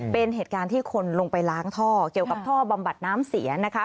เป็นเหตุการณ์ที่คนลงไปล้างท่อเกี่ยวกับท่อบำบัดน้ำเสียนะคะ